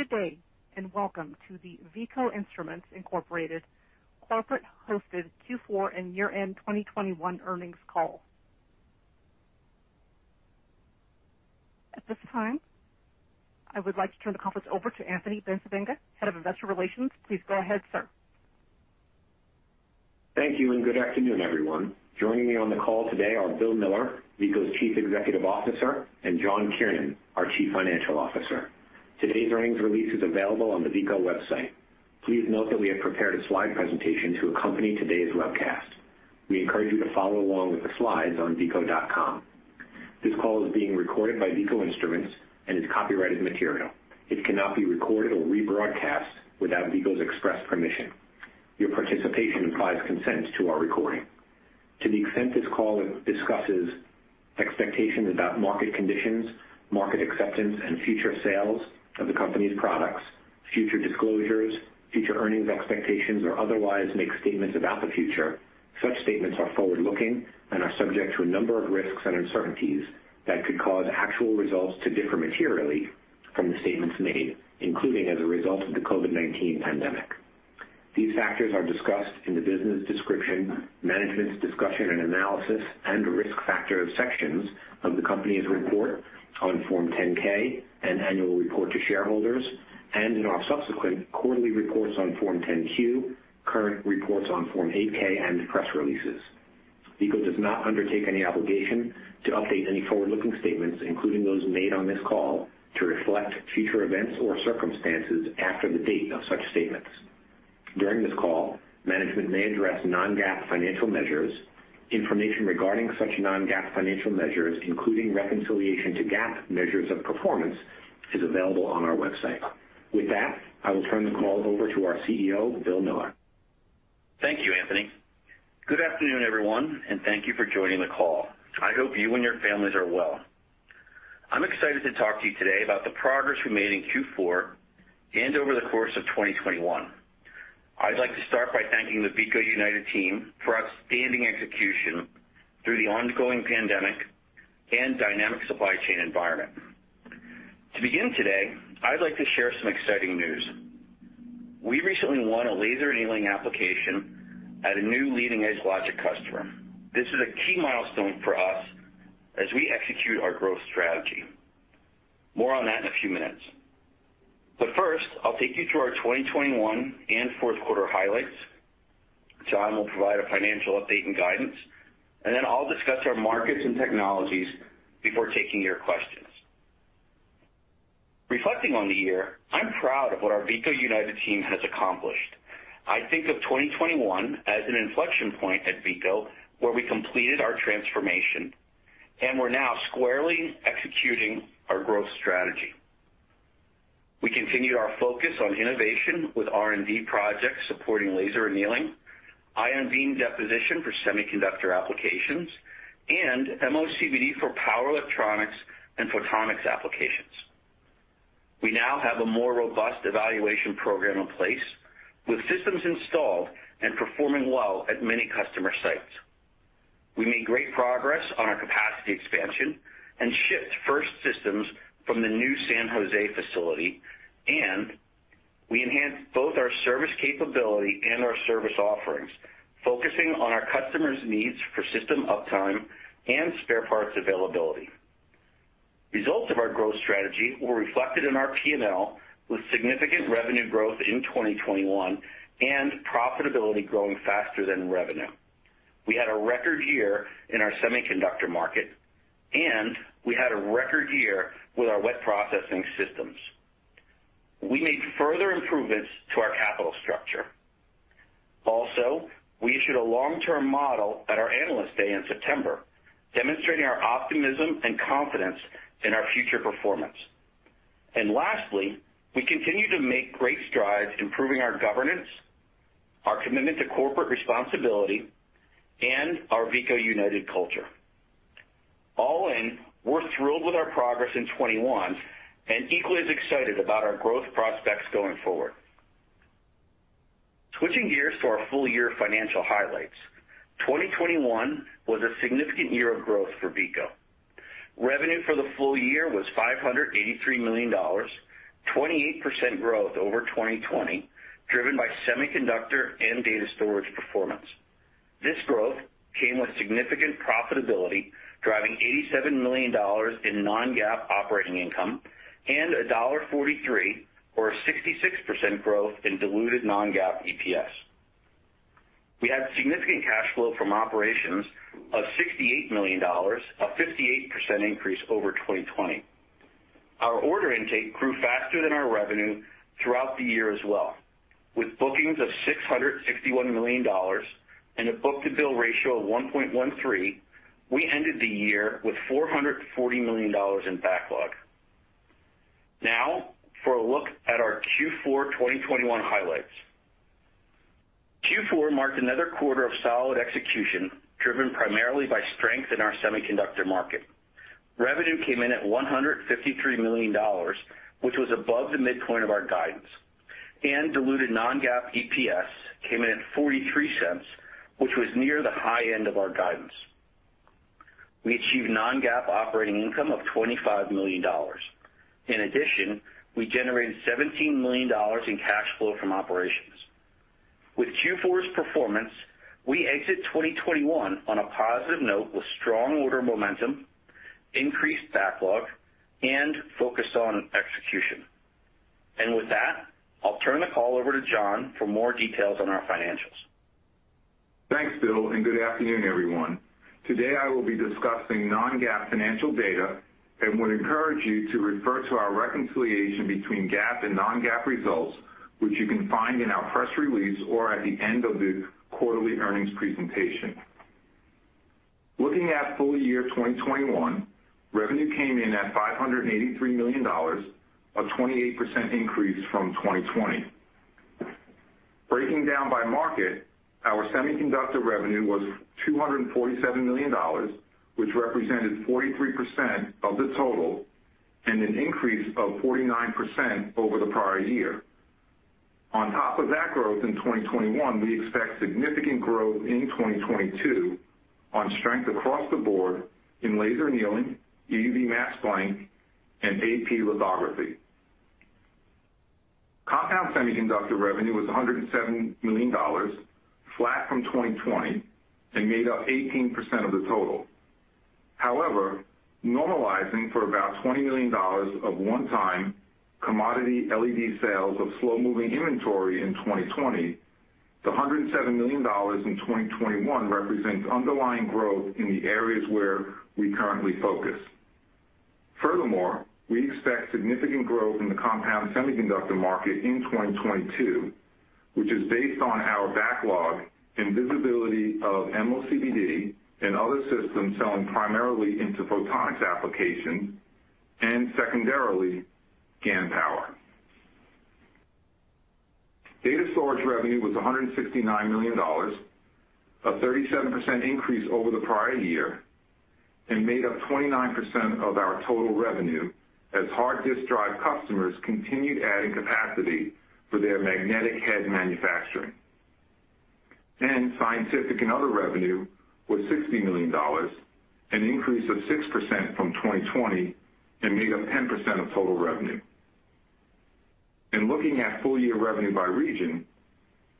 Good day, and welcome to the Veeco Instruments Inc Corporate hosted Q4 and year-end 2021 earnings call. At this time, I would like to turn the conference over to Anthony Pappone, Head of Investor Relations. Plea go ahead, sir. Thank you, and good afternoon, everyone. Joining me on the call today are Bill Miller, Veeco's Chief Executive Officer, and John Kiernan, our Chief Financial Officer. Today's earnings release is available on the Veeco website. Please note that we have prepared a slide presentation to accompany today's webcast. We encourage you to follow along with the slides on veeco.com. This call is being recorded by Veeco Instruments and is copyrighted material. It cannot be recorded or rebroadcast without Veeco's express permission. Your participation implies consent to our recording. To the extent this call discusses expectations about market conditions, market acceptance, and future sales of the company's products, future disclosures, future earnings expectations, or otherwise make statements about the future, such statements are forward-looking and are subject to a number of risks and uncertainties that could cause actual results to differ materially from the statements made, including as a result of the COVID-19 pandemic. These factors are discussed in the business description, management's discussion and analysis, and risk factor sections of the company's report on Form 10-K and annual report to shareholders, and in our subsequent quarterly reports on Form 10-Q, current reports on Form 8-K, and press releases. Veeco does not undertake any obligation to update any forward-looking statements, including those made on this call, to reflect future events or circumstances after the date of such statements. During this call, management may address non-GAAP financial measures. Information regarding such non-GAAP financial measures, including reconciliation to GAAP measures of performance, is available on our website. With that, I will turn the call over to our CEO, Bill Miller. Thank you, Anthony. Good afternoon, everyone, and thank you for joining the call. I hope you and your families are well. I'm excited to talk to you today about the progress we made in Q4 and over the course of 2021. I'd like to start by thanking the Veeco United Team for outstanding execution through the ongoing pandemic and dynamic supply chain environment. To begin today, I'd like to share some exciting news. We recently won a laser annealing application at a new leading-edge logic customer. This is a key milestone for us as we execute our growth strategy. More on that in a few minutes. First, I'll take you through our 2021 and fourth quarter highlights. John will provide a financial update and guidance, and then I'll discuss our markets and technologies before taking your questions. Reflecting on the year, I'm proud of what our Veeco United Team has accomplished. I think of 2021 as an inflection point at Veeco, where we completed our transformation, and we're now squarely executing our growth strategy. We continued our focus on innovation with R&D projects supporting laser annealing, ion beam deposition for Semiconductor applications, and MOCVD for power electronics and photonics applications. We now have a more robust evaluation program in place, with systems installed and performing well at many customer sites. We made great progress on our capacity expansion and shipped first systems from the new San Jose facility, and we enhanced both our service capability and our service offerings, focusing on our customers' needs for system uptime and spare parts availability. Results of our growth strategy were reflected in our P&L, with significant revenue growth in 2021 and profitability growing faster than revenue. We had a record year in our Semiconductor market, and we had a record year with our wet processing systems. We made further improvements to our capital structure. Also, we issued a long-term model at our Analyst Day in September, demonstrating our optimism and confidence in our future performance. Lastly, we continue to make great strides improving our governance, our commitment to corporate responsibility, and our Veeco United culture. All in, we're thrilled with our progress in 2021 and equally as excited about our growth prospects going forward. Switching gears to our full-year financial highlights. 2021 was a significant year of growth for Veeco. Revenue for the full year was $583 million, 28% growth over 2020, driven by Semiconductor and Data Storage performance. This growth came with significant profitability, driving $87 million in non-GAAP operating income and $1.43, or 66% growth in diluted non-GAAP EPS. We had significant cash flow from operations of $68 million, a 58% increase over 2020. Our order intake grew faster than our revenue throughout the year as well. With bookings of $661 million and a book-to-bill ratio of 1.13, we ended the year with $440 million in backlog. Now for a look at our Q4 2021 highlights. Q4 marked another quarter of solid execution, driven primarily by strength in our Semiconductor market. Revenue came in at $153 million, which was above the midpoint of our guidance, and diluted non-GAAP EPS came in at $0.43, which was near the high end of our guidance. We achieved non-GAAP operating income of $25 million. In addition, we generated $17 million in cash flow from operations. With Q4's performance, we exit 2021 on a positive note with strong order momentum, increased backlog, and focus on execution. With that, I'll turn the call over to John for more details on our financials. Thanks, Bill, and good afternoon, everyone. Today, I will be discussing non-GAAP financial data and would encourage you to refer to our reconciliation between GAAP and non-GAAP results, which you can find in our press release or at the end of the quarterly earnings presentation. Looking at full year 2021, revenue came in at $583 million, a 28% increase from 2020. Breaking down by market, our Semiconductor revenue was $247 million, which represented 43% of the total and an increase of 49% over the prior year. On top of that growth in 2021, we expect significant growth in 2022 on strength across the board in laser annealing, EUV mask blank, and AP lithography. Compound Semiconductor revenue was $107 million, flat from 2020, and made up 18% of the total. However, normalizing for about $20 million of one-time commodity LED sales of slow-moving inventory in 2020, the $107 million in 2021 represents underlying growth in the areas where we currently focus. Furthermore, we expect significant growth in the Compound Semiconductor market in 2022, which is based on our backlog and visibility of MOCVD and other systems selling primarily into photonics application and secondarily, GaN power. Data storage revenue was $169 million, a 37% increase over the prior year, and made up 29% of our total revenue as hard disk drive customers continued adding capacity for their magnetic head manufacturing. Scientific and other revenue was $60 million, an increase of 6% from 2020, and made up 10% of total revenue. In looking at full year revenue by region,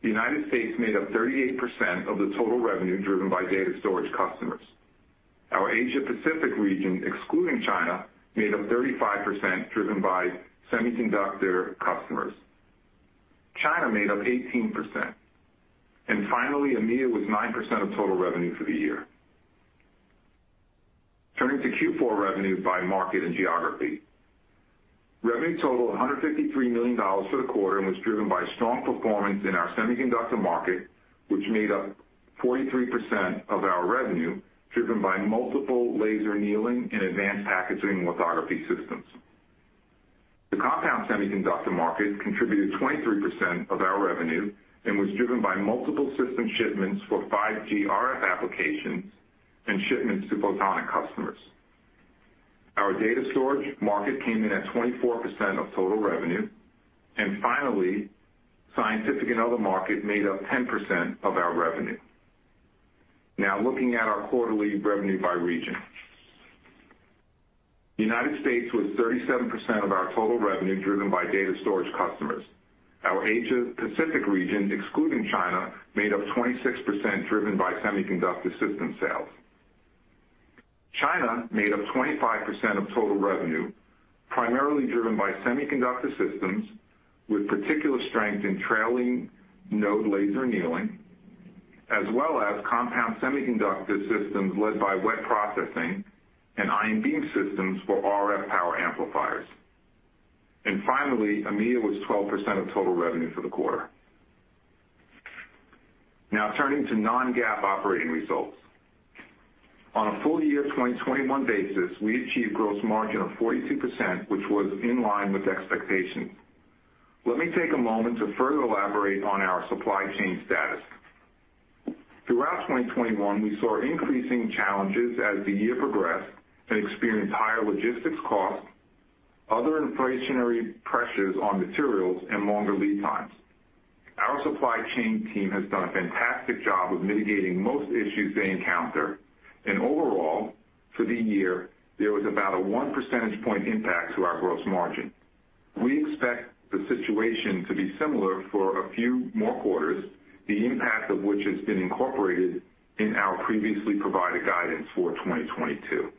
the United States made up 38% of the total revenue driven by Data Storage customers. Our Asia Pacific region, excluding China, made up 35% driven by Semiconductor customers. China made up 18%. Finally, EMEIA was 9% of total revenue for the year. Turning to Q4 revenue by market and geography. Revenue totaled $153 million for the quarter and was driven by strong performance in our Semiconductor market, which made up 43% of our revenue, driven by multiple laser annealing and advanced packaging lithography systems. The compound Semiconductor market contributed 23% of our revenue and was driven by multiple system shipments for 5G RF applications and shipments to photonic customers. Our Data Storage market came in at 24% of total revenue. Finally, scientific and other market made up 10% of our revenue. Now looking at our quarterly revenue by region. United States was 37% of our total revenue, driven by Data Storage customers. Our Asia Pacific region, excluding China, made up 26%, driven by Semiconductor system sales. China made up 25% of total revenue, primarily driven by Semiconductor systems with particular strength in trailing node laser annealing, as well as compound Semiconductor systems led by wet processing and ion beam systems for RF power amplifiers. Finally, EMEIA was 12% of total revenue for the quarter. Now turning to non-GAAP operating results. On a full year 2021 basis, we achieved gross margin of 42%, which was in line with expectations. Let me take a moment to further elaborate on our supply chain status. Throughout 2021, we saw increasing challenges as the year progressed and experienced higher logistics costs, other inflationary pressures on materials, and longer lead times. Our supply chain team has done a fantastic job of mitigating most issues they encounter, and overall, for the year, there was about a 1 percentage point impact to our gross margin. We expect the situation to be similar for a few more quarters, the impact of which has been incorporated in our previously provided guidance for 2022.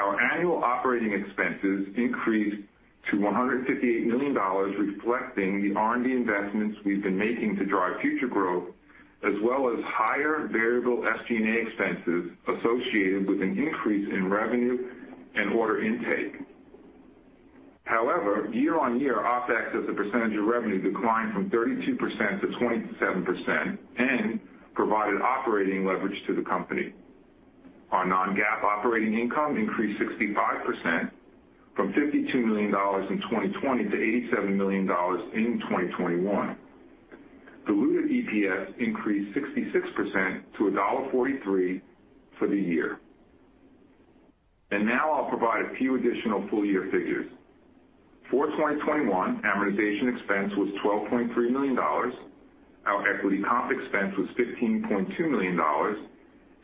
Our annual operating expenses increased to $158 million, reflecting the R&D investments we've been making to drive future growth, as well as higher variable SG&A expenses associated with an increase in revenue and order intake. However, year on year, OpEx as a percentage of revenue declined from 32%-27% and provided operating leverage to the company. Our non-GAAP operating income increased 65% from $52 million in 2020 to $87 million in 2021. Diluted EPS increased 66% to $1.43 for the year. Now I'll provide a few additional full year figures. For 2021, amortization expense was $12.3 million. Our equity comp expense was $15.2 million,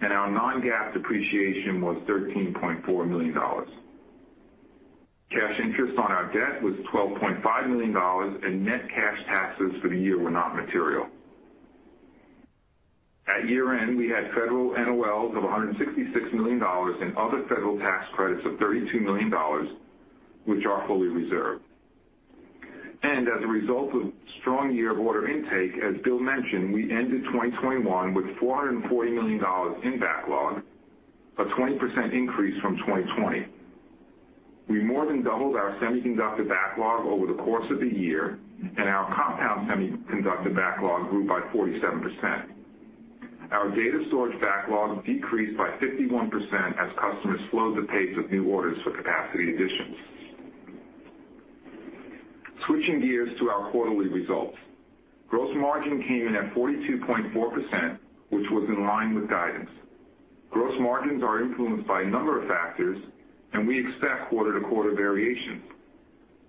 and our non-GAAP depreciation was $13.4 million. Cash interest on our debt was $12.5 million, and net cash taxes for the year were not material. At year-end, we had federal NOLs of $166 million and other federal tax credits of $32 million, which are fully reserved. As a result of strong year order intake, as Bill mentioned, we ended 2021 with $440 million in backlog, a 20% increase from 2020. We more than doubled our Semiconductor backlog over the course of the year, and our Compound Semiconductor backlog grew by 47%. Our Data Storage backlog decreased by 51% as customers slowed the pace of new orders for capacity additions. Switching gears to our quarterly results. Gross margin came in at 42.4%, which was in line with guidance. Gross margins are influenced by a number of factors, and we expect quarter-to-quarter variation.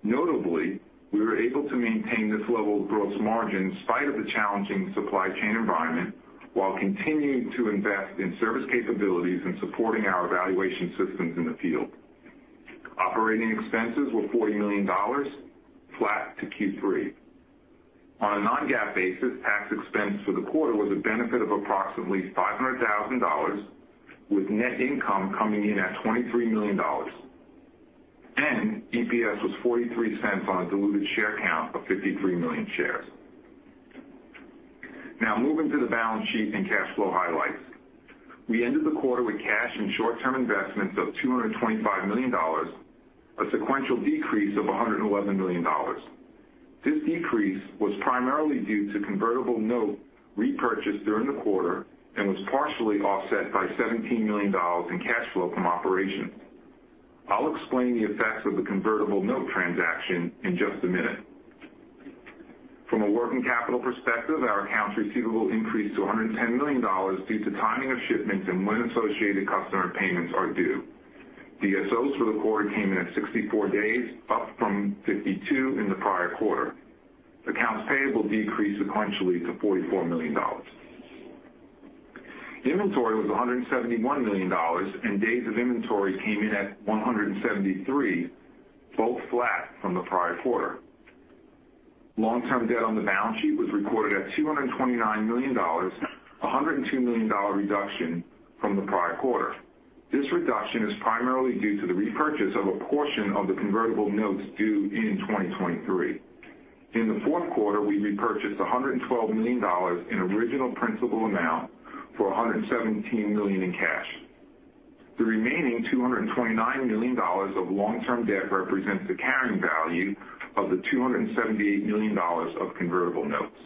Notably, we were able to maintain this level of gross margin in spite of the challenging supply chain environment, while continuing to invest in service capabilities and supporting our evaluation systems in the field. Operating expenses were $40 million, flat to Q3. On a non-GAAP basis, tax expense for the quarter was a benefit of approximately $500,000, with net income coming in at $23 million. EPS was $0.43 on a diluted share count of 53 million shares. Now moving to the balance sheet and cash flow highlights. We ended the quarter with cash and short-term investments of $225 million, a sequential decrease of $111 million. This decrease was primarily due to convertible note repurchased during the quarter and was partially offset by $17 million in cash flow from operations. I'll explain the effects of the convertible note transaction in just a minute. From a working capital perspective, our accounts receivable increased to $110 million due to timing of shipments and when associated customer payments are due. DSOs for the quarter came in at 64 days, up from 52 in the prior quarter. Accounts payable decreased sequentially to $d44 million. Inventory was $171 million, and days of inventory came in at $173 million, both flat from the prior quarter. Long-term debt on the balance sheet was recorded at $229 million, a $102 million reduction from the prior quarter. This reduction is primarily due to the repurchase of a portion of the convertible notes due in 2023. In the fourth quarter, we repurchased $112 million in original principal amount for $117 million in cash. The remaining $229 million of long-term debt represents the carrying value of the $278 million of convertible notes.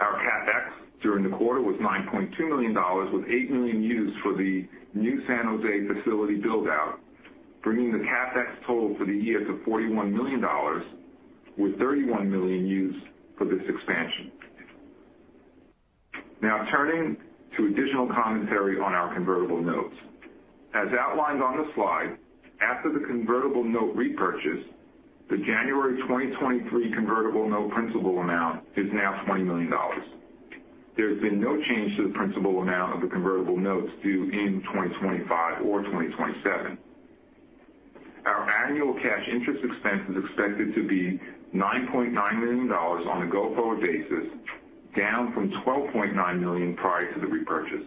Our CapEx during the quarter was $9.2 million, with $8 million used for the new San Jose facility build-out, bringing the CapEx total for the year to $41 million, with $31 million used for this expansion. Now turning to additional commentary on our convertible notes. As outlined on the slide, after the convertible note repurchase, the January 2023 convertible note principal amount is now $20 million. There's been no change to the principal amount of the convertible notes due in 2025 or 2027. Our annual cash interest expense is expected to be $9.9 million on a go-forward basis, down from $12.9 million prior to the repurchase.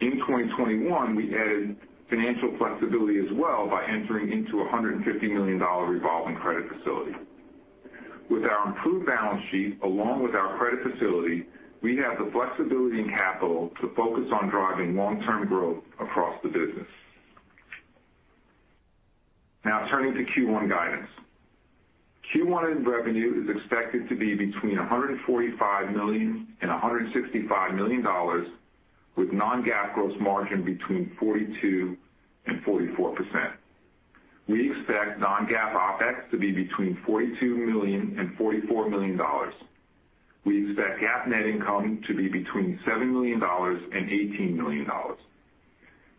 In 2021, we added financial flexibility as well by entering into a $150 million revolving credit facility. With our improved balance sheet along with our credit facility, we have the flexibility and capital to focus on driving long-term growth across the business. Now turning to Q1 guidance. Q1 revenue is expected to be between $145 million and $165 million, with non-GAAP gross margin between 42% and 44%. We expect non-GAAP OpEx to be between $42 million and $44 million. We expect GAAP net income to be between $7 million and $18 million.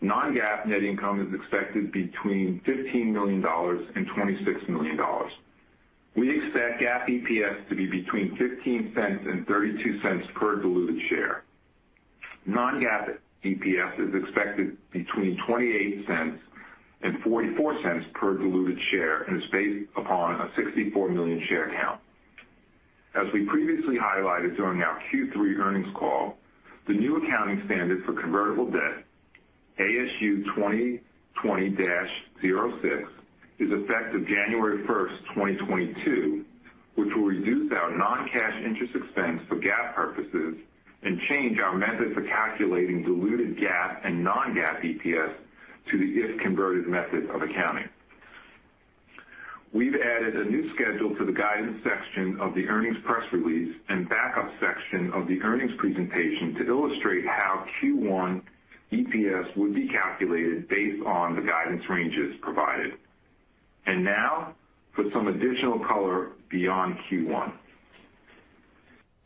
Non-GAAP net income is expected between $15 million and $26 million. We expect GAAP EPS to be between $0.15 and $0.32 per diluted share. Non-GAAP EPS is expected between $0.28 and $0.44 per diluted share, and is based upon a 64 million share count. As we previously highlighted during our Q3 earnings call, the new accounting standard for convertible debt, ASU 2020-06, is effective January 1, 2022, which will reduce our non-cash interest expense for GAAP purposes and change our method for calculating diluted GAAP and non-GAAP EPS to the if-converted method of accounting. We've added a new schedule to the guidance section of the earnings press release and backup section of the earnings presentation to illustrate how Q1 EPS would be calculated based on the guidance ranges provided. Now for some additional color beyond Q1.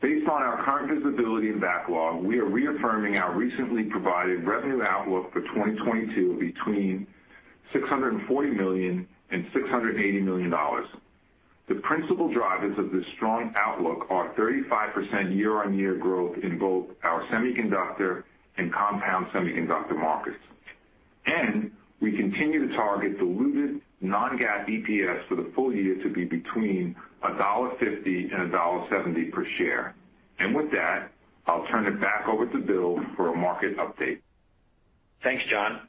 Based on our current visibility and backlog, we are reaffirming our recently provided revenue outlook for 2022 between $640 million and $680 million. The principal drivers of this strong outlook are 35% year-on-year growth in both our Semiconductor and compound Semiconductor markets. We continue to target diluted non-GAAP EPS for the full year to be between $1.50 and $1.70 per share. With that, I'll turn it back over to Bill for a market update. Thanks, John.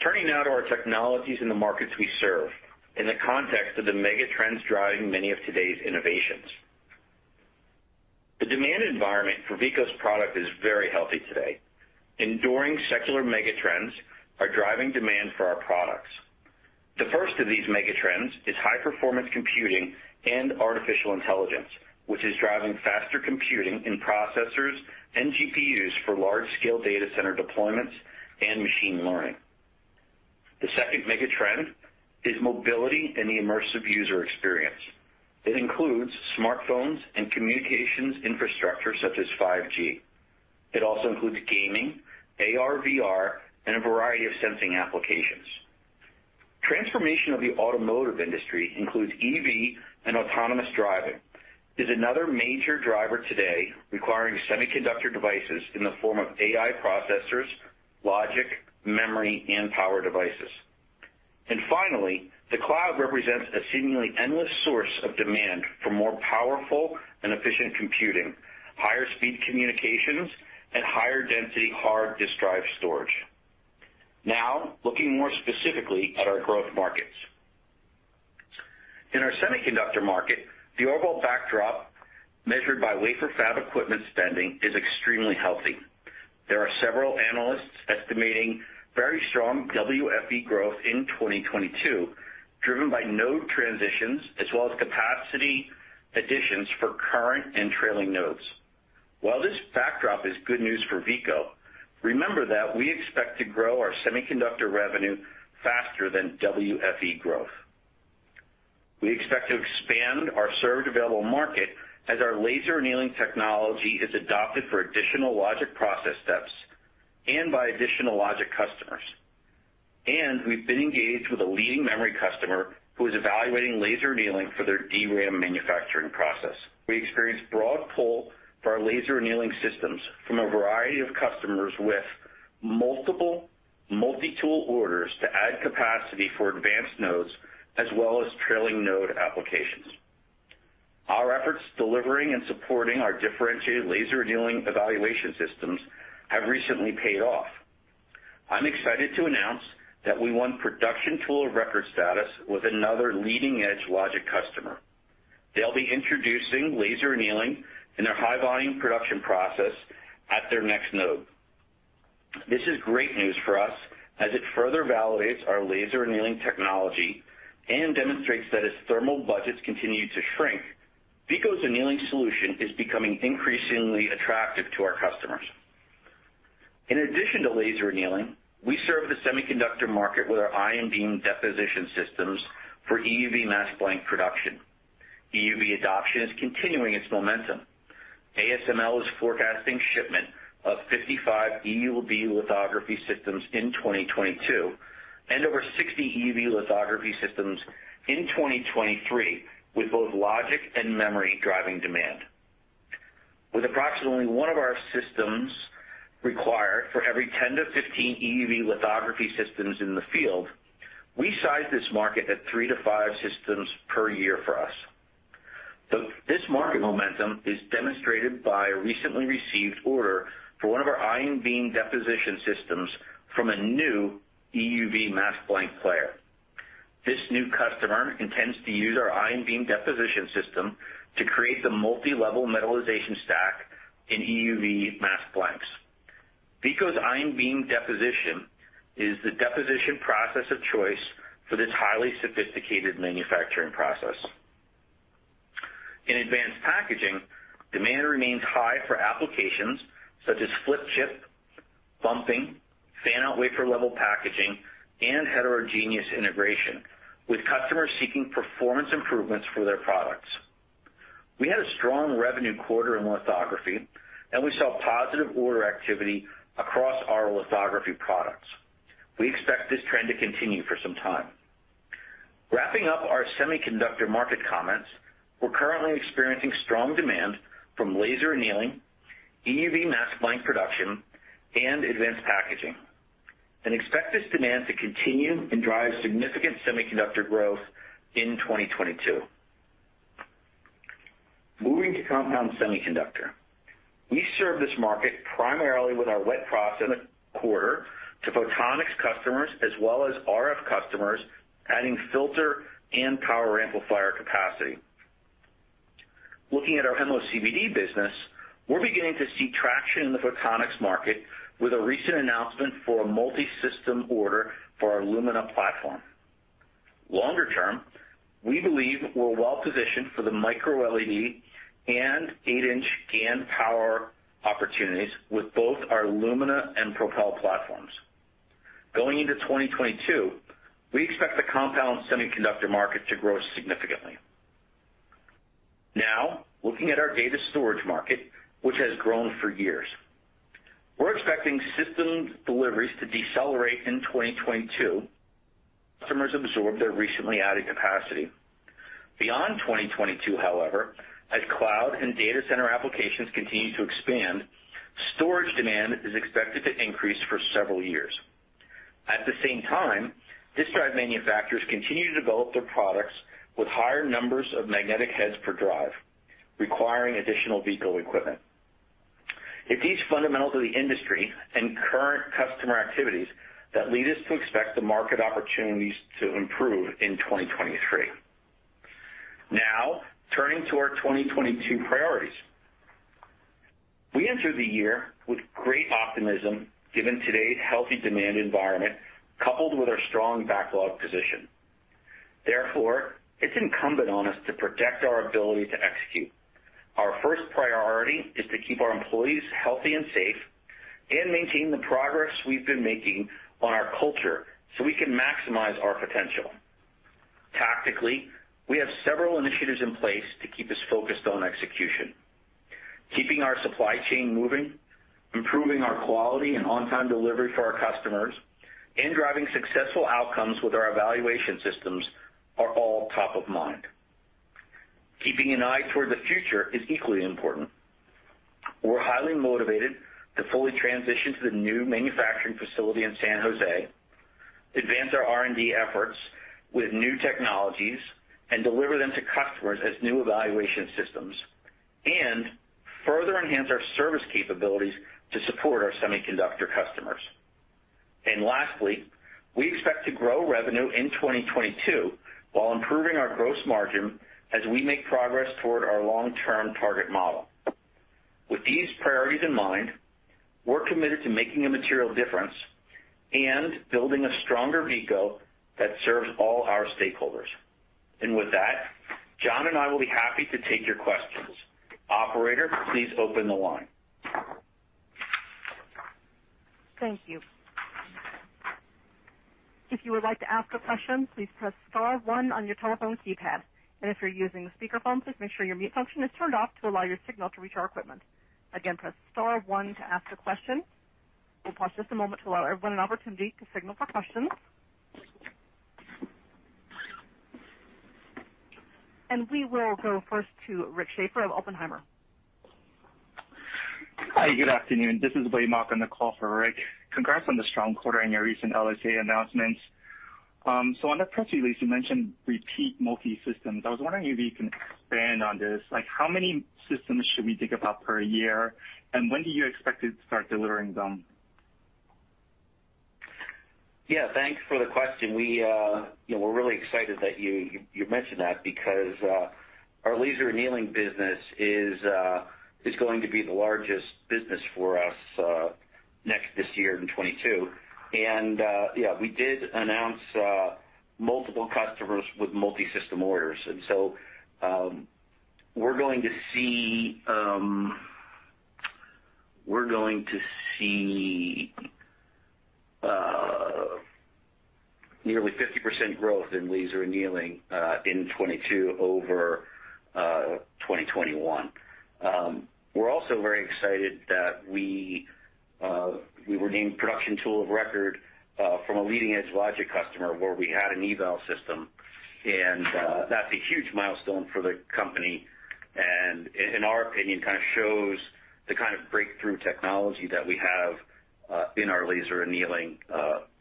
Turning now to our technologies and the markets we serve in the context of the megatrends driving many of today's innovations. The demand environment for Veeco's product is very healthy today. Enduring secular megatrends are driving demand for our products. The first of these megatrends is high-performance computing and artificial intelligence, which is driving faster computing in processors and GPUs for large-scale data center deployments and machine learning. The second megatrend is mobility and the immersive user experience. It includes smartphones and communications infrastructure, such as 5G. It also includes gaming, AR/VR, and a variety of sensing applications. Transformation of the automotive industry, including EV and autonomous driving, is another major driver today requiring Semiconductor devices in the form of AI processors, logic, memory, and power devices. Finally, the cloud represents a seemingly endless source of demand for more powerful and efficient computing, higher-speed communications, and higher density hard disk drive storage. Now, looking more specifically at our growth markets. In our Semiconductor market, the overall backdrop measured by wafer fab equipment spending is extremely healthy. There are several analysts estimating very strong WFE growth in 2022, driven by node transitions as well as capacity additions for current and trailing nodes. While this backdrop is good news for Veeco, remember that we expect to grow our Semiconductor revenue faster than WFE growth. We expect to expand our served available market as our laser annealing technology is adopted for additional logic process steps and by additional logic customers. We've been engaged with a leading memory customer who is evaluating laser annealing for their DRAM manufacturing process. We experienced broad pull for our laser annealing systems from a variety of customers with multiple multi-tool orders to add capacity for advanced nodes as well as trailing node applications. Our efforts delivering and supporting our differentiated laser annealing evaluation systems have recently paid off. I'm excited to announce that we won production tool of record status with another leading-edge logic customer. They'll be introducing laser annealing in their high-volume production process at their next node. This is great news for us as it further validates our laser annealing technology and demonstrates that as thermal budgets continue to shrink, Veeco's annealing solution is becoming increasingly attractive to our customers. In addition to laser annealing, we serve the Semiconductor market with our ion beam deposition systems for EUV mask blank production. EUV adoption is continuing its momentum. ASML is forecasting shipment of 55 EUV lithography systems in 2022, and over 60 EUV lithography systems in 2023, with both logic and memory driving demand. With approximately one of our systems required for every 10-15 EUV lithography systems in the field, we size this market at three to five systems per year for us. This market momentum is demonstrated by a recently received order for one of our ion beam deposition systems from a new EUV mask blank player. This new customer intends to use our ion beam deposition system to create the multi-level metallization stack in EUV mask blanks. Veeco's ion beam deposition is the deposition process of choice for this highly sophisticated manufacturing process. In advanced packaging, demand remains high for applications such as flip chip, bumping, fan-out wafer level packaging, and heterogeneous integration, with customers seeking performance improvements for their products. We had a strong revenue quarter in lithography, and we saw positive order activity across our lithography products. We expect this trend to continue for some time. Wrapping up our Semiconductor market comments, we're currently experiencing strong demand from laser annealing, EUV mask blank production, and advanced packaging, and expect this demand to continue and drive significant Semiconductor growth in 2022. Moving to compound Semiconductor. We serve this market primarily with our wet processing equipment to photonics customers as well as RF customers, adding filter and power amplifier capacity. Looking at our MOCVD business, we're beginning to see traction in the photonics market with a recent announcement for a multi-system order for our Lumina platform. Longer term, we believe we're well positioned for the microLED and 8-inch GaN power opportunities with both our Lumina and Propel platforms. Going into 2022, we expect the compound Semiconductor market to grow significantly. Now, looking at our Data Storage market, which has grown for years. We're expecting system deliveries to decelerate in 2022, customers absorb their recently added capacity. Beyond 2022, however, as cloud and data center applications continue to expand, storage demand is expected to increase for several years. At the same time, disk drive manufacturers continue to develop their products with higher numbers of magnetic heads per drive, requiring additional Veeco equipment. It's these fundamentals of the industry and current customer activities that lead us to expect the market opportunities to improve in 2023. Now, turning to our 2022 priorities. We enter the year with great optimism given today's healthy demand environment, coupled with our strong backlog position. Therefore, it's incumbent on us to protect our ability to execute. Our first priority is to keep our employees healthy and safe, and maintain the progress we've been making on our culture so we can maximize our potential. Tactically, we have several initiatives in place to keep us focused on execution. Keeping our supply chain moving, improving our quality and on-time delivery for our customers, and driving successful outcomes with our evaluation systems are all top of mind. Keeping an eye toward the future is equally important. We're highly motivated to fully transition to the new manufacturing facility in San Jose, advance our R&D efforts with new technologies, and deliver them to customers as new evaluation systems, and further enhance our service capabilities to support our Semiconductor customers. Lastly, we expect to grow revenue in 2022 while improving our gross margin as we make progress toward our long-term target model. With these priorities in mind, we're committed to making a material difference and building a stronger Veeco that serves all our stakeholders. With that, John and I will be happy to take your questions. Operator, please open the line. Thank you. If you would like to ask a question, please press star one on your telephone keypad. If you're using a speakerphone, please make sure your mute function is turned off to allow your signal to reach our equipment. Again, press star one to ask a question. We'll pause just a moment to allow everyone an opportunity to signal for questions. We will go first to Rick Schafer of Oppenheimer. Hi, good afternoon. This is Blake Mark on the call for Rick. Congrats on the strong quarter in your recent LSA announcements. On the press release, you mentioned repeat multi-systems. I was wondering if you can expand on this. Like, how many systems should we think about per year? And when do you expect to start delivering them? Yeah, thanks for the question. We, you know, we're really excited that you mentioned that because, our laser annealing business is going to be the largest business for us, this year in 2022. Yeah, we did announce multiple customers with multi-system orders. We're going to see nearly 50% growth in laser annealing in 2022 over 2021. We're also very excited that we were named production tool of record from a leading-edge logic customer where we had an eval system, and that's a huge milestone for the company, and in our opinion, kind of shows the kind of breakthrough technology that we have in our laser annealing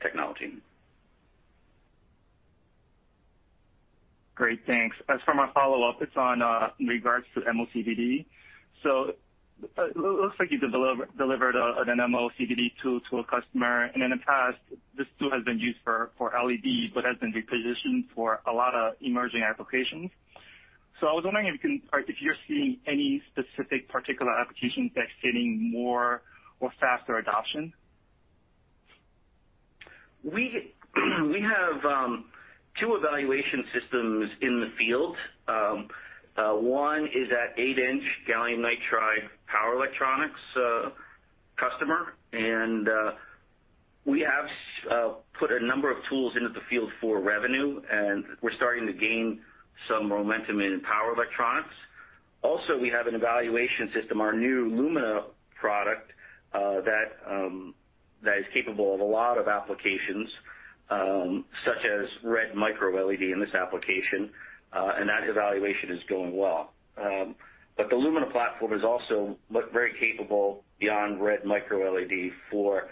technology. Great, thanks. As for my follow-up, it's on in regards to MOCVD. Looks like you delivered an MOCVD tool to a customer, and in the past, this tool has been used for LED, but has been repositioned for a lot of emerging applications. I was wondering if you're seeing any specific particular applications that's getting more or faster adoption. We have two evaluation systems in the field. One is at 8-inch gallium nitride power electronics customer, and we have put a number of tools into the field for revenue, and we're starting to gain some momentum in power electronics. Also, we have an evaluation system, our new Lumina product, that is capable of a lot of applications, such as red microLED in this application, and that evaluation is going well. The Lumina platform is also looks very capable beyond red microLED for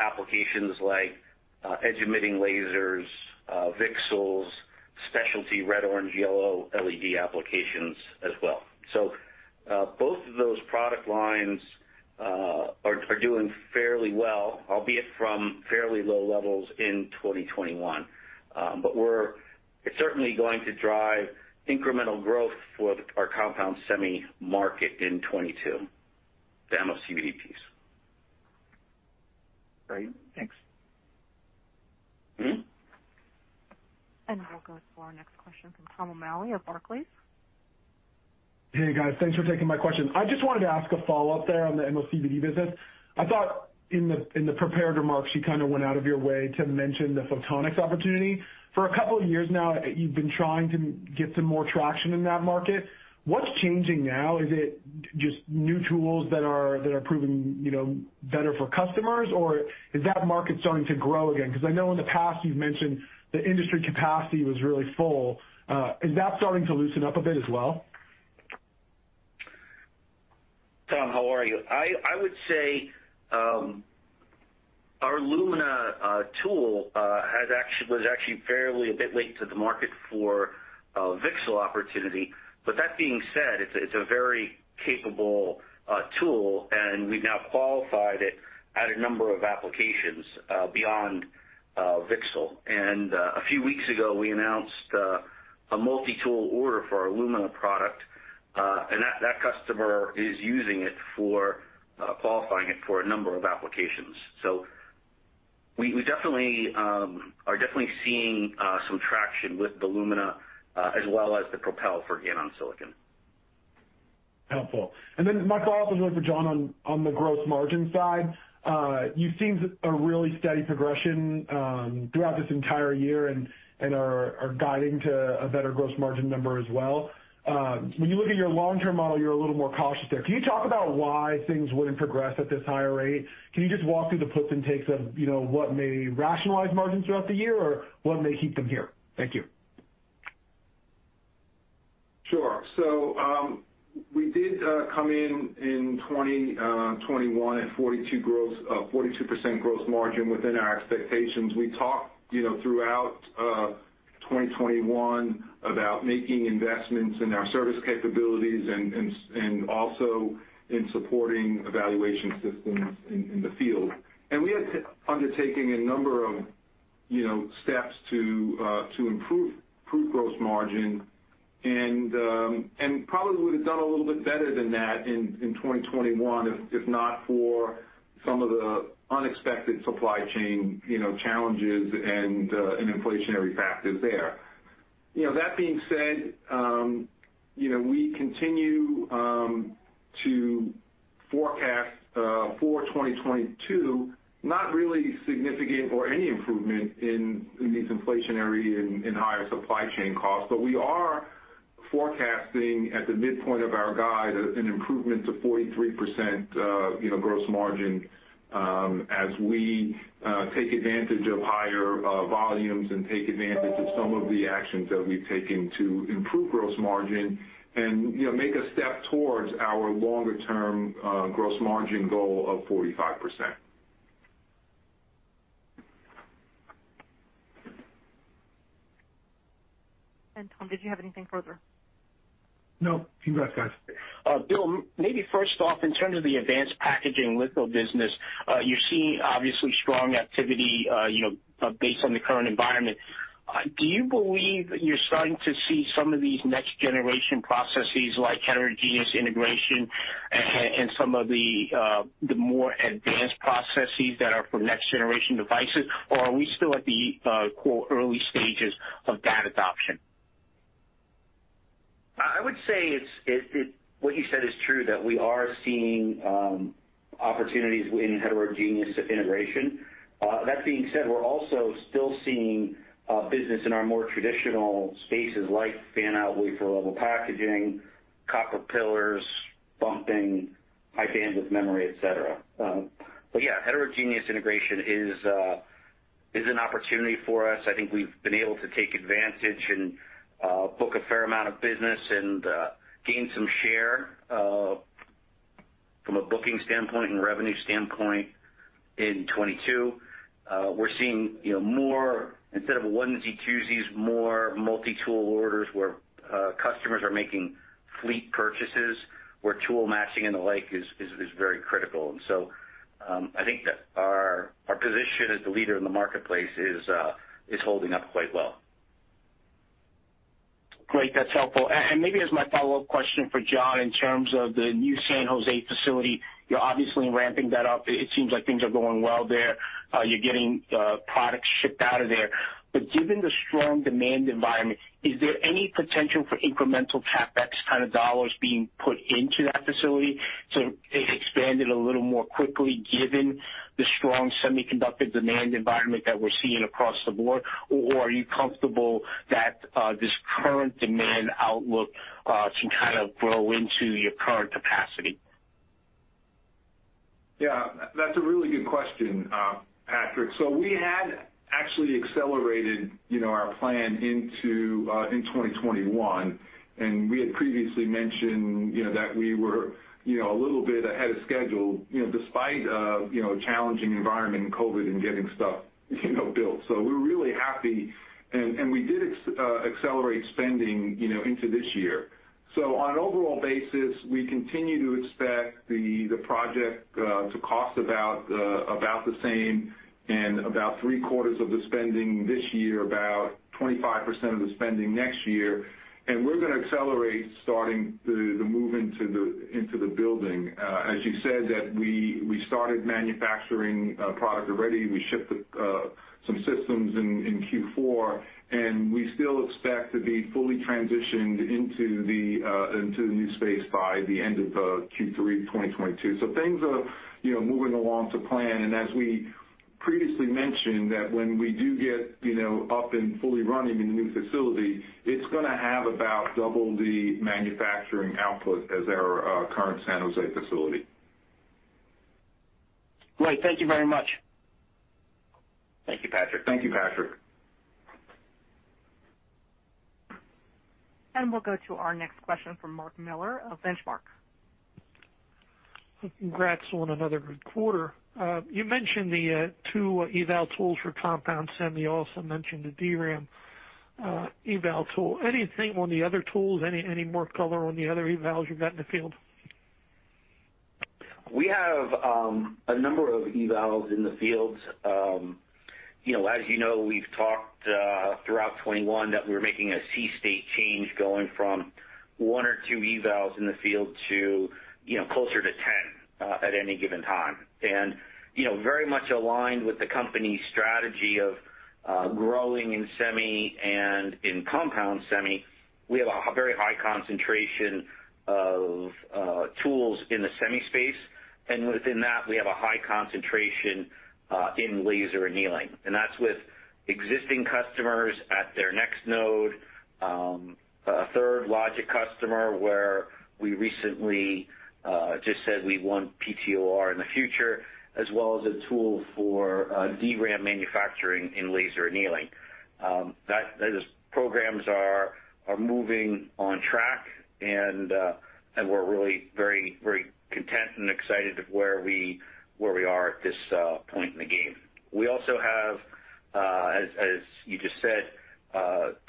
applications like edge-emitting lasers, VCSELs, specialty red, orange, yellow LED applications as well. Both of those product lines are doing fairly well, albeit from fairly low levels in 2021. We're certainly going to drive incremental growth with our compound semi market in 2022, the MOCVD piece. Great. Thanks. Mm-hmm? We'll go for our next question from Tom O'Malley of Barclays. Hey, guys. Thanks for taking my question. I just wanted to ask a follow-up there on the MOCVD business. I thought in the prepared remarks, you kind of went out of your way to mention the photonics opportunity. For a couple of years now, you've been trying to get some more traction in that market. What's changing now? Is it just new tools that are proving, you know, better for customers, or is that market starting to grow again? Because I know in the past you've mentioned the industry capacity was really full. Is that starting to loosen up a bit as well? Tom, how are you? I would say our Lumina tool was actually fairly a bit late to the market for VCSEL opportunity. But that being said, it's a very capable tool, and we've now qualified it at a number of applications beyond VCSEL. A few weeks ago, we announced a multi-tool order for our Lumina product, and that customer is using it for qualifying it for a number of applications. We definitely are definitely seeing some traction with the Lumina as well as the Propel for GaN on silicon. Helpful. Then my follow-up is really for John on the gross margin side. You've seen a really steady progression throughout this entire year and are guiding to a better gross margin number as well. When you look at your long-term model, you're a little more cautious there. Can you talk about why things wouldn't progress at this higher rate? Can you just walk through the puts and takes of, you know, what may rationalize margins throughout the year or what may keep them here? Thank you. Sure. We did come in in 2021 at 42% gross margin within our expectations. We talked, you know, throughout 2021 about making investments in our service capabilities and also in supporting evaluation systems in the field. We had undertaking a number of, you know, steps to improve gross margin, and probably would have done a little bit better than that in 2021, if not for some of the unexpected supply chain, you know, challenges and inflationary factors there. You know, that being said, you know, we continue to forecast for 2022, not really significant or any improvement in these inflationary and higher supply chain costs. We are forecasting at the midpoint of our guide an improvement to 43%, you know, gross margin, as we take advantage of higher volumes and take advantage of some of the actions that we've taken to improve gross margin and, you know, make a step towards our longer-term gross margin goal of 45%. Tom, did you have anything further? No, congrats, guys. Bill, maybe first off, in terms of the advanced packaging litho business, you're seeing obviously strong activity, you know, based on the current environment. Do you believe you're starting to see some of these next generation processes like heterogeneous integration and some of the more advanced processes that are for next generation devices, or are we still at the, quote, "early stages" of that adoption? I would say what you said is true, that we are seeing opportunities in heterogeneous integration. That being said, we're also still seeing business in our more traditional spaces like fan-out wafer-level packaging, copper pillars, bumping, high bandwidth memory, et cetera. Yeah, heterogeneous integration is an opportunity for us. I think we've been able to take advantage and book a fair amount of business and gain some share from a booking standpoint and revenue standpoint in 2022. We're seeing, you know, more instead of onesies, twosies, more multi-tool orders where customers are making fleet purchases, where tool matching and the like is very critical. I think that our position as the leader in the marketplace is holding up quite well. Great. That's helpful. And maybe as my follow-up question for John, in terms of the new San Jose facility, you're obviously ramping that up. It seems like things are going well there. You're getting products shipped out of there. But given the strong demand environment, is there any potential for incremental CapEx kind of dollars being put into that facility to expand it a little more quickly given the strong Semiconductor demand environment that we're seeing across the board? Or are you comfortable that this current demand outlook can kind of grow into your current capacity? Yeah, that's a really good question, Patrick. We had actually accelerated, you know, our plan into, in 2021, and we had previously mentioned, you know, that we were, you know, a little bit ahead of schedule, you know, despite, you know, a challenging environment in COVID and getting stuff, you know, built. We're really happy, and we did accelerate spending, you know, into this year. On an overall basis, we continue to expect the project to cost about the same and about three-quarters of the spending this year, about 25% of the spending next year. We're gonna accelerate starting the move into the building. As you said, that we started manufacturing product already. We shipped some systems in Q4, and we still expect to be fully transitioned into the new space by the end of Q3 2022. Things are, you know, moving along to plan. As we previously mentioned that when we do get, you know, up and fully running in the new facility, it's gonna have about double the manufacturing output as our current San Jose facility. Great. Thank you very much. Thank you, Patrick. Thank you, Patrick. We'll go to our next question from Mark Miller of Benchmark. Congrats on another good quarter. You mentioned the two eval tools for compound semi. You also mentioned the DRAM eval tool. Anything on the other tools? Any more color on the other evals you've got in the field? We have a number of evals in the field. You know, as you know, we've talked throughout 2021 that we're making a sea change going from one or two evals in the field to, you know, closer to 10 at any given time. You know, very much aligned with the company's strategy of growing in semi and in compound semi, we have a very high concentration of tools in the semi space, and within that, we have a high concentration in laser annealing. That's with existing customers at their next node, a third logic customer where we recently just said we want PTOR in the future, as well as a tool for DRAM manufacturing in laser annealing. Those programs are moving on track, and we're really very content and excited of where we are at this point in the game. We also have, as you just said,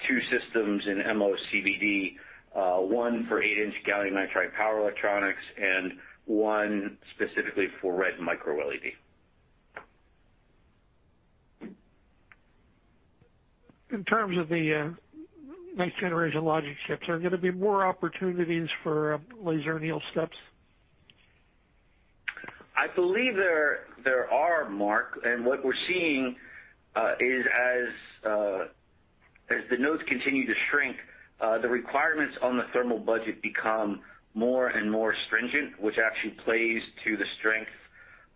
two systems in MOCVD, one for eight-inch gallium nitride power electronics and one specifically for red microLED. In terms of the next-generation logic chips, are there gonna be more opportunities for laser anneal steps? I believe, Mark, what we're seeing is, as the nodes continue to shrink, the requirements on the thermal budget become more and more stringent, which actually plays to the strength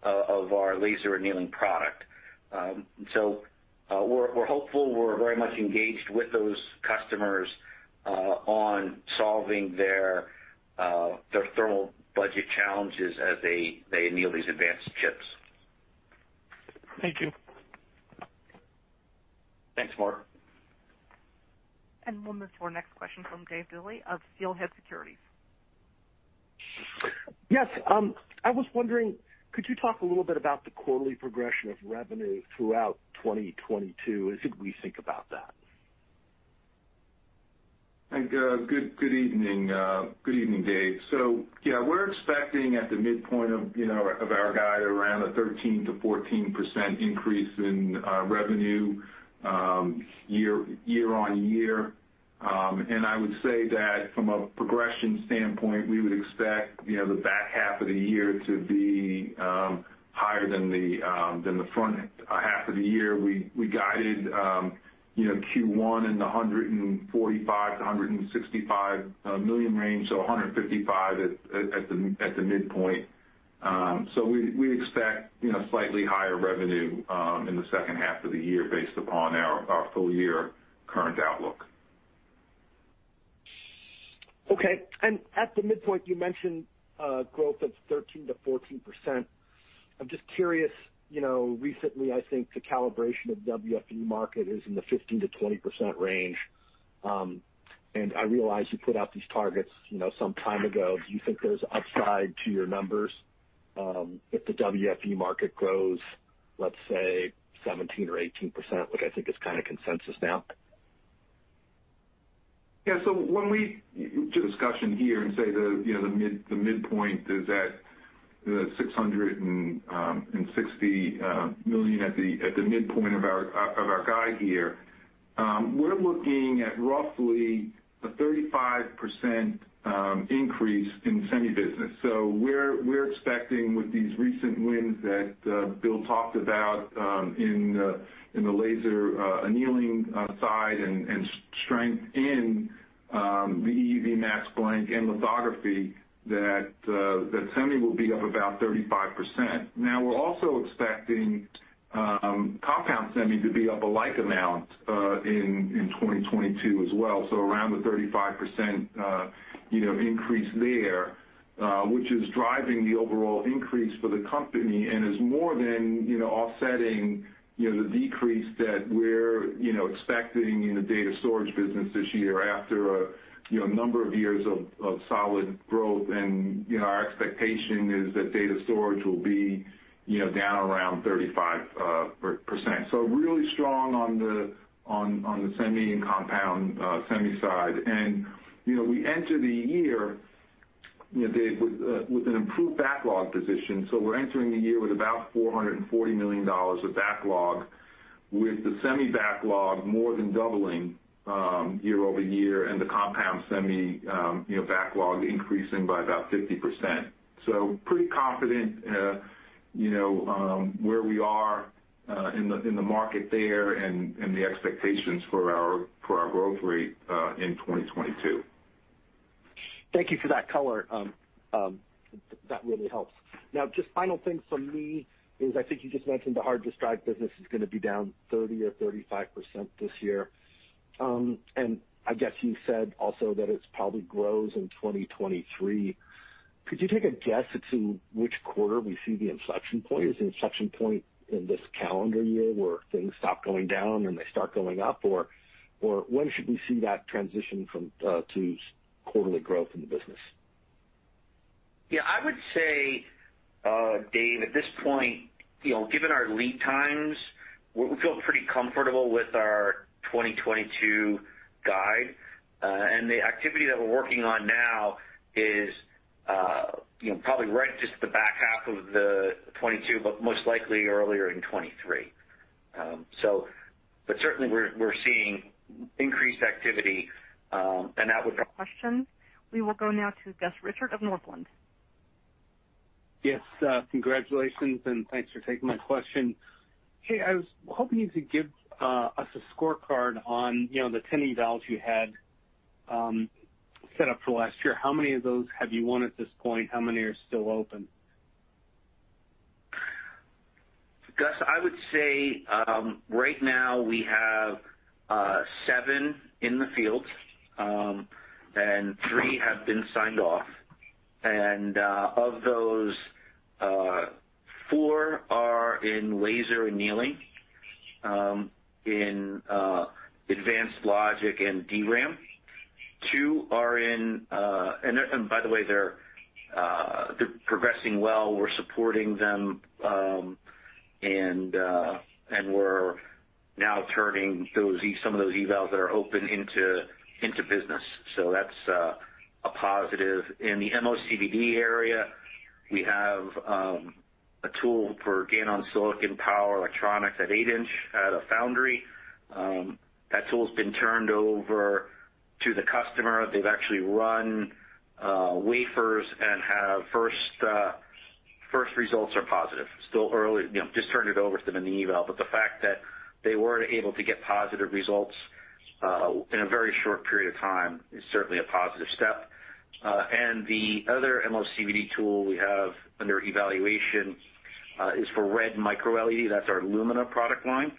of our laser annealing product. We're hopeful. We're very much engaged with those customers on solving their thermal budget challenges as they anneal these advanced chips. Thank you. Thanks, Mark. We'll move to our next question from David Duley of Steelhead Securities. Yes. I was wondering, could you talk a little bit about the quarterly progression of revenue throughout 2022, as we think about that? Good evening, Dave. Yeah, we're expecting at the midpoint of, you know, our guide around a 13%-14% increase in revenue year-on-year. I would say that from a progression standpoint, we would expect, you know, the back half of the year to be higher than the front half of the year. We guided, you know, Q1 in the $145 million-$165 million range, so $155 million at the midpoint. We expect, you know, slightly higher revenue in the second half of the year based upon our full year current outlook. Okay. At the midpoint, you mentioned growth of 13%-14%. I'm just curious, you know, recently, I think the calibration of WFE market is in the 15%-20% range, and I realize you put out these targets, you know, some time ago. Do you think there's upside to your numbers, if the WFE market grows, let's say 17% or 18%, which I think is kind of consensus now? When we do discussion here and say the midpoint is at, you know, $660 million at the midpoint of our guide here, we're looking at roughly a 35% increase in semi business. We're expecting with these recent wins that Bill talked about in the laser annealing side and strength in EUV mask blank and lithography that semi will be up about 35%. Now, we're also expecting compound semi to be up a like amount in 2022 as well, so around 35% increase there, which is driving the overall increase for the company and is more than offsetting the decrease that we're expecting in the Data Storage business this year after a number of years of solid growth. Our expectation is that Data Storage will be down around 35%. Really strong on the semi and compound semi side. We enter the year, Dave, with an improved backlog position. We're entering the year with about $440 million of backlog, with the semi backlog more than doubling year-over-year, and the compound semi backlog increasing by about 50%. Pretty confident, you know, where we are in the market there and the expectations for our growth rate in 2022. Thank yo 1u for that color. That really helps. Now, just final thing from me is I think you just mentioned the hard disk drive business is gonna be down 30% or 35% this year. I guess you said also that it probably grows in 2023. Could you take a guess as to which quarter we see the inflection point? Is the inflection point in this calendar year where things stop going down, and they start going up, or when should we see that transition from to quarterly growth in the business? Yeah, I would say, Dave, at this point, you know, given our lead times, we feel pretty comfortable with our 2022 guide. The activity that we're working on now is probably right just at the back half of 2022, but most likely earlier in 2023. Certainly we're seeing increased activity, and that would- Questions. We will go now to Gus Richard of Northland. Yes, congratulations, and thanks for taking my question. Hey, I was hoping you could give us a scorecard on, you know, the 10 evals you had set up for last year. How many of those have you won at this point? How many are still open? Gus, I would say right now we have seven in the field, and three have been signed off. Of those, four are in laser annealing in advanced logic and DRAM. Two are in. By the way, they're progressing well. We're supporting them, and we're now turning those some of those evals that are open into business. So that's a positive. In the MOCVD area, we have a tool for GaN on silicon power electronics at 8 in at a foundry. That tool's been turned over to the customer. They've actually run wafers and have first results are positive. Still early, you know, just turned it over to them in the eval. The fact that they were able to get positive results in a very short period of time is certainly a positive step. The other MOCVD tool we have under evaluation is for red microLED. That's our Lumina product line.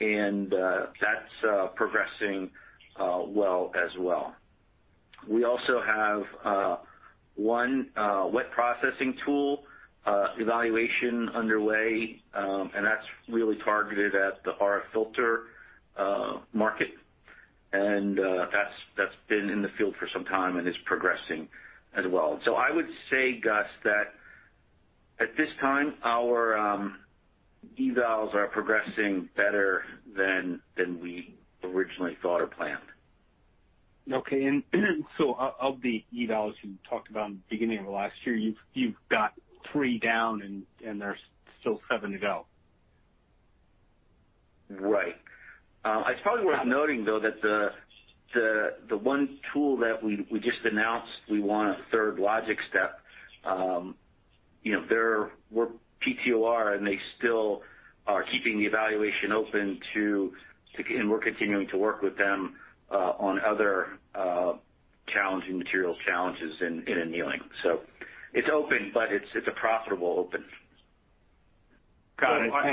That's progressing well as well. We also have one wet processing tool evaluation underway, and that's really targeted at the RF filter market. That's been in the field for some time and is progressing as well. I would say, Gus, that at this time, our evals are progressing better than we originally thought or planned. Okay. Of the evals you talked about in the beginning of last year, you've got three down, and there's still seven to go. Right. It's probably worth noting, though, that the one tool that we just announced we won at third logic step, you know, we're PTOR, and they still are keeping the evaluation open. We're continuing to work with them on other challenging materials challenges in annealing. It's open, but it's a profitable open. Got it. Thank you.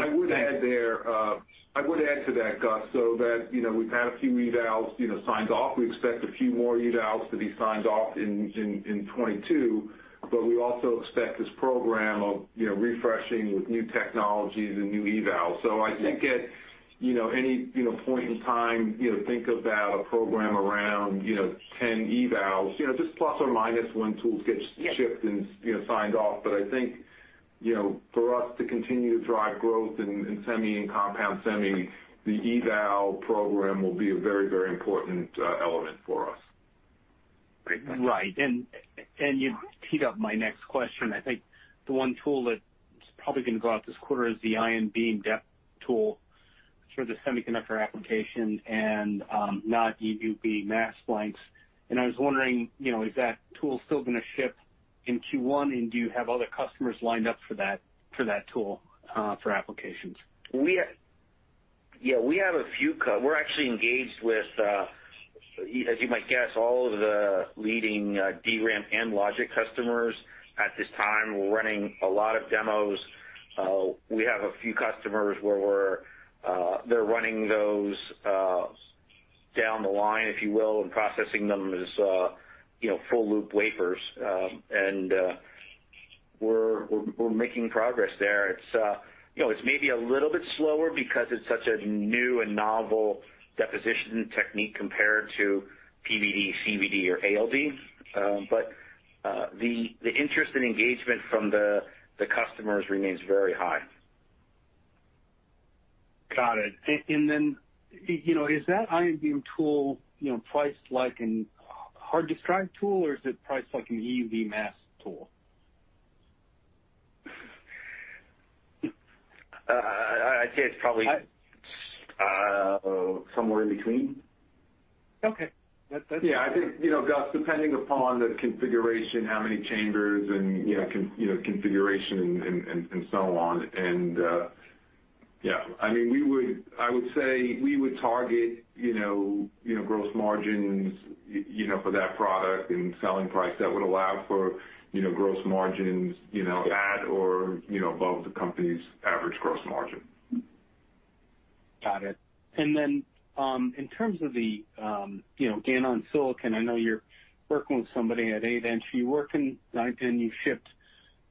I would add to that, Gus, so that you know we've had a few evals you know signed off. We expect a few more evals to be signed off in 2022, but we also expect this program of you know refreshing with new technologies and new evals. I think at you know any you know point in time you know think about a program around 10 evals you know just ± when tools get shipped and you know signed off. I think you know for us to continue to drive growth in semi and compound semi, the eval program will be a very very important element for us. Right. You teed up my next question. I think the one tool that's probably gonna go out this quarter is the Ion Beam Deposition tool for the Semiconductor application and not EUV mask blanks. I was wondering, you know, is that tool still gonna ship in Q1, and do you have other customers lined up for that tool for applications? We're actually engaged with, as you might guess, all of the leading DRAM and logic customers at this time. We're running a lot of demos. We have a few customers where we're, they're running those down the line, if you will, and processing them as you know, full loop wafers. We're making progress there. It's you know, it's maybe a little bit slower because it's such a new and novel deposition technique compared to PVD, CVD, or ALD. The interest and engagement from the customers remains very high. Got it. You know, is that ion beam tool, you know, priced like a hard disk drive tool, or is it priced like an EUV mask tool? I'd say it's probably somewhere in between. Okay. Yeah. I think, you know, Gus, depending upon the configuration, how many chambers and, you know, configuration and so on. I mean, I would say we would target, you know, gross margins, you know, for that product and selling price that would allow for, you know, gross margins, you know, at or, you know, above the company's average gross margin. Got it. In terms of the, you know, GaN on silicon, I know you're working with somebody at 8 in. You've shipped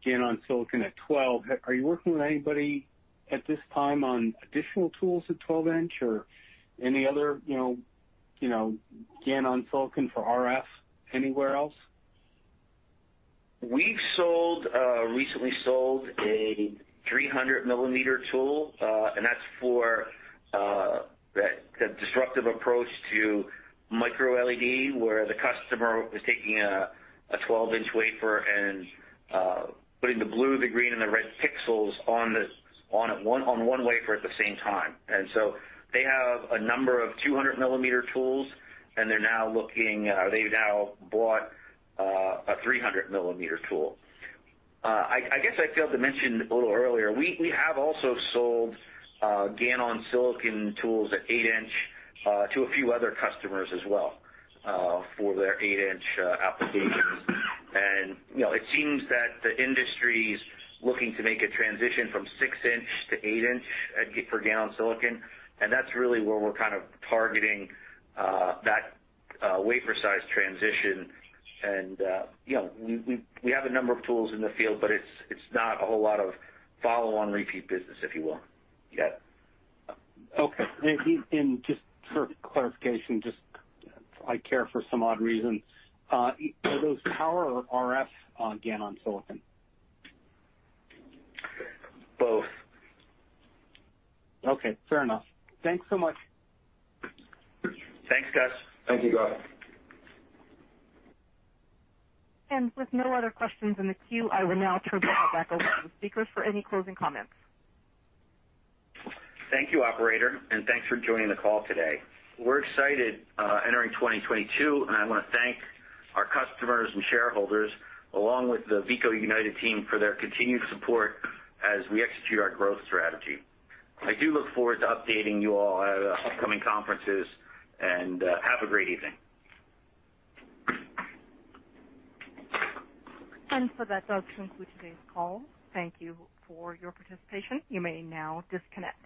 GaN on silicon at 12 in. Are you working with anybody at this time on additional tools at 12 in or any other, you know, GaN on silicon for RF anywhere else? We've recently sold a 300 mm tool, and that's for the disruptive approach to microLED, where the customer was taking a 12 in wafer and putting the blue, the green, and the red pixels on one wafer at the same time. They have a number of 200 mm tools, and they've now bought a 300 mm tool. I guess I failed to mention a little earlier, we have also sold GaN on silicon tools at 8 in to a few other customers as well for their 8 in applications. You know, it seems that the industry's looking to make a transition from 6 in to 8 in for GaN on silicon. That's really where we're kind of targeting that wafer size transition. You know, we have a number of tools in the field, but it's not a whole lot of follow-on repeat business, if you will, yet. Okay. Just for clarification, just I care for some odd reason, are those power or RF on GaN on silicon? Both. Okay, fair enough. Thanks so much. Thanks, Gus. Thank you, Gus. With no other questions in the queue, I will now turn the call back over to the speakers for any closing comments. Thank you, operator, and thanks for joining the call today. We're excited entering 2022, and I wanna thank our customers and shareholders, along with the Veeco United team, for their continued support as we execute our growth strategy. I do look forward to updating you all at upcoming conferences, and have a great evening. That does conclude today's call. Thank you for your participation. You may now disconnect.